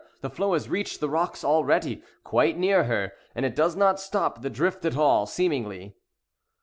the floe has reached the rocks already, quite near her; and it does not stop the drift at all, seemingly."